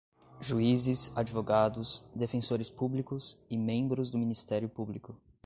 juízes, advogados, defensores públicos e membros do Ministério Público